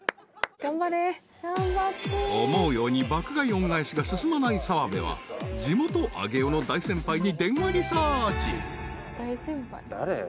［思うように爆買い恩返しが進まない澤部は地元上尾の大先輩に電話リサーチ］